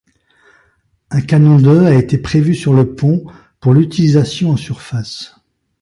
Un canon de a été prévu sur le pont pour l'utilisation en surface.